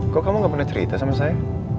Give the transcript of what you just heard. kok kamu gak pernah cerita sama saya